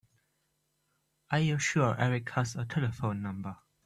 Are you sure Erik has our telephone number?